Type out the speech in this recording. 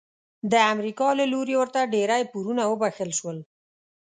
د امریکا له لوري ورته ډیری پورونه وبخښل شول.